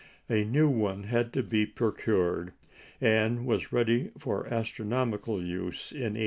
A new one had to be procured, and was ready for astronomical use in 1891.